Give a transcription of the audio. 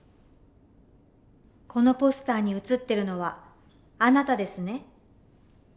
このポスターに写ってるのはあなたですね？